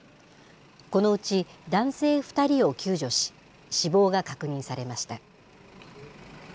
このうち男性２人を救助し、死亡が確認されました。